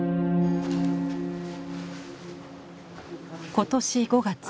今年５月。